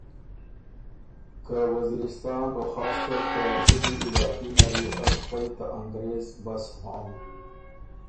که وزیرستان او خاص کر ته مسُودی علاقي نر يې از خوئ ته انګرېز بس هوم۔